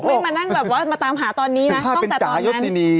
วิ่งมานั่งแบบว่ามาตามหาตอนนี้นะต้องจัดตอนนั้นถ้าเป็นจ๋ายศินี